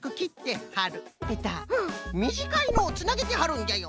みじかいのをつなげてはるんじゃよ。